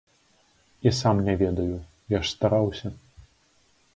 І сам не ведаю, я ж стараўся.